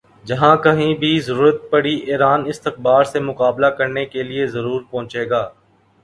جہاں کہیں بھی ضرورت پڑی ایران استکبار سے مقابلہ کرنے کے لئے ضرور پہنچے گا